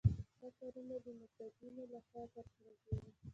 دا کارونه د متدینو له خوا ترسره کېږي.